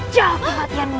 kau lupa kau tersimpan